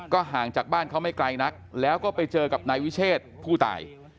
ห่างจากบ้านเขาไม่ไกลนักแล้วก็ไปเจอกับนายวิเชษผู้ตาย